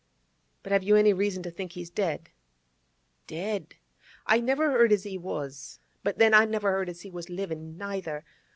But have you any reason to think he's dead?' 'Dead! I never heard as he was. But then I never heard as he was livin', neither.